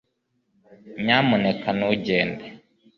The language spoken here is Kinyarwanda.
nyamuneka ntugende